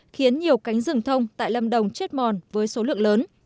khiến nhiều cánh rừng thông tại lâm đồng chết mòn với số lượng lớn